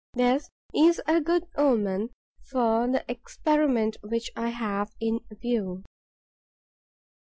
This is a good omen for the experiment which I have in view.